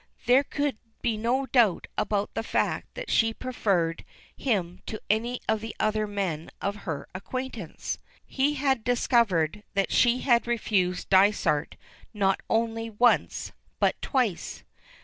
There could be no doubt about the fact that she preferred him to any of the other men of her acquaintance; he had discovered that she had refused Dysart not only once, but twice.